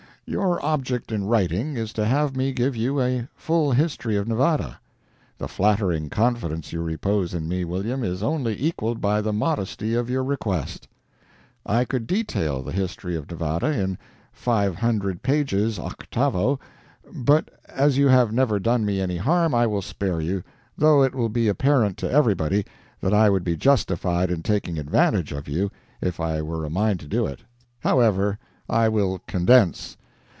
Your object in writing is to have me give you a full history of Nevada. The flattering confidence you repose in me, William, is only equalled by the modesty of your request. I could detail the history of Nevada in five hundred pages octavo, but as you have never done me any harm, I will spare you, though it will be apparent to everybody that I would be justified in taking advantage of you if I were a mind to do it. However, I will condense.